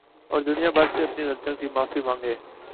اور دنیا بھر سے اپنی غلطیوں کی معافی ما نگے